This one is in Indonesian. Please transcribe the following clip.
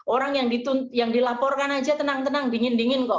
orang yang dilaporkan aja tenang tenang dingin dingin kok